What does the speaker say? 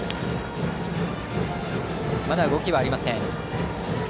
まだ動きはありません。